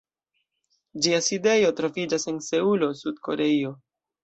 Ĝia sidejo troviĝas en Seulo, Sud-Koreio.